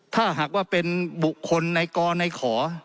ถ้าหากว่าเป็นบุคคลในกรในขอ